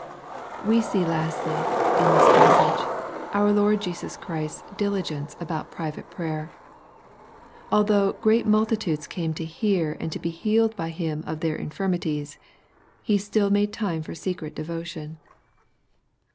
We see, lastly, in this passage, our Lord Jesus Christ's diligence about private prayer. Although " great multi tudes came together to hear, and to be healed by him of their infirmities," He still made time for secret devotion.